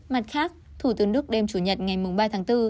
mặt khác thủ tướng đức đêm chủ nhật ngày ba tháng bốn